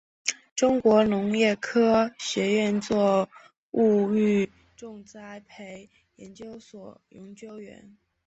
中国农业科学院作物育种栽培研究所研究员。